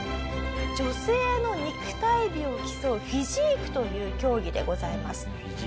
女性の肉体美を競うフィジークという競技でございます。